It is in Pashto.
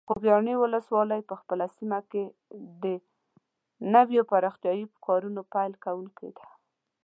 د خوږیاڼي ولسوالۍ په خپله سیمه کې د نویو پرمختیایي کارونو پیل کوونکی ده.